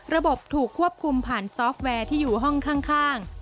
ระบบถูกควบคุมผ่านซอฟต์แวร์ที่อยู่ห้องข้าง